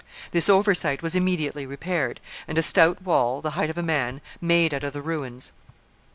This oversight was immediately repaired, and a stout wall, the height of a man, made out of the ruins.